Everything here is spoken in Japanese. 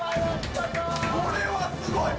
これはすごい！